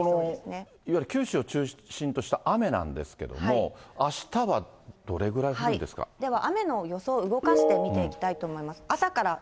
このいわゆる九州を中心とした雨なんですけれども、では雨の予想、動かして見ていきたいと思います。